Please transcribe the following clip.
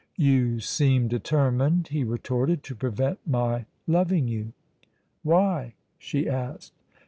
"You seem determined," he retorted, "to prevent my loving you." "Why?" she asked.